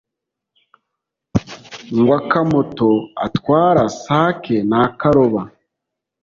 Ngw’akamoto atwara s’ake n’akaroba